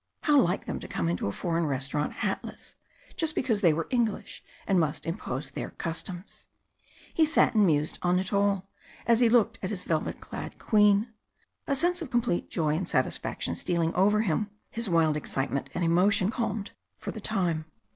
How like them to come into a foreign restaurant hatless, just because they were English and must impose their customs! He sat and mused on it all, as he looked at his velvet clad Queen. A sense of complete joy and satisfaction stealing over him, his wild excitement and emotion calmed for the time.